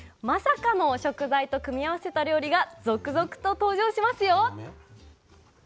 まさかの食材と組み合わせた料理が続々と登場しますよ。